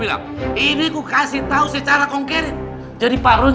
lakuin sekarang cepetan